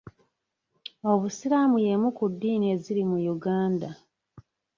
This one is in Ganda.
Obusiraamu y'emu ku ddiini eziri mu Uganda.